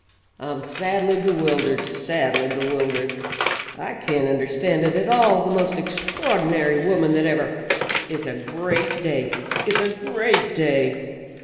I'm sadly bewildered, sadly bewildered. I can't understand it at all the most extraordinary woman that ever it's a great day, it's a great day.